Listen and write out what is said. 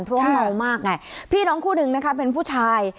เพราะว่าเมามากไงพี่น้องคู่หนึ่งนะคะเป็นผู้ชาย